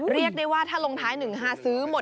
เรียกได้ว่าถ้าลงท้าย๑๕ซื้อหมด